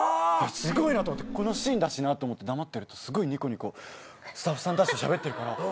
すごいなと思ってこのシーンだしなと思って黙ってるとすごいにこにこスタッフさんたちとしゃべってるから。